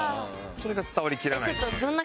それが伝わりきらない。